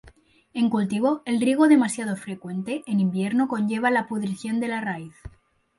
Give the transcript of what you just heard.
En cultivo, el riego demasiado frecuente en invierno conlleva la pudrición de la raíz.